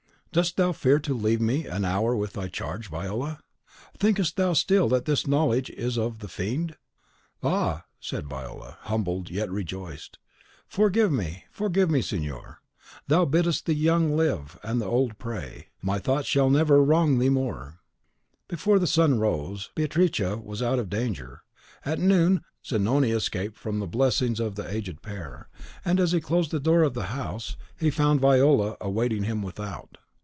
"Dost thou fear to leave me an hour with thy charge, Viola? Thinkest thou still that this knowledge is of the Fiend?" "Ah," said Viola, humbled and yet rejoiced, "forgive me, forgive me, signor. Thou biddest the young live and the old pray. My thoughts never shall wrong thee more!" Before the sun rose, Beatrice was out of danger; at noon Zanoni escaped from the blessings of the aged pair, and as he closed the door of the house, he found Viola awaiting him without.